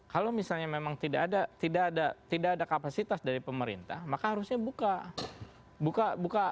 kalau misalnya memang tidak ada kapasitas dari pemerintah maka harusnya buka